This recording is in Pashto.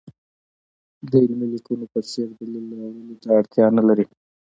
د علمي لیکنو په څېر دلیل راوړلو ته اړتیا نه لري.